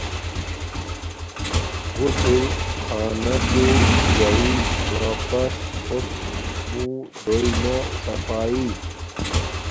غسل خانا شو جاݵ واپس ہوت منہ دویݵ نا صفایݵ